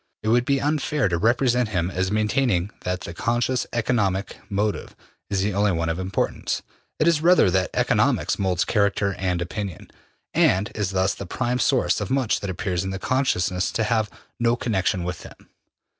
It would be unfair to represent him as maintaining that the conscious economic motive is the only one of importance; it is rather that economics molds character and opinion, and is thus the prime source of much that appears in consciousness to have no connection with them.